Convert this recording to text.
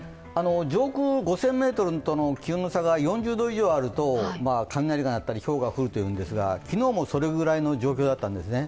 上空５０００ｍとの気温の差が４０度以上あると、雷が鳴ったりひょうが降るというんですが昨日もそれぐらいの状況だったんですね。